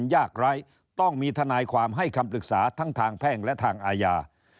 ยากไร้ต้องมีทนายความให้คำปรึกษาทั้งทางแพ่งและทางอาญา